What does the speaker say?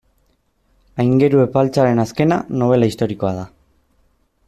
Aingeru Epaltzaren azkena, nobela historikoa da.